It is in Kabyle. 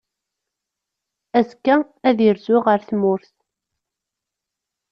Azekka, ad irzu ɣer tmurt.